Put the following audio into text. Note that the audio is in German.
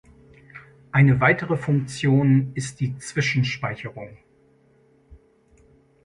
Eine weitere Funktion ist die Zwischenspeicherung.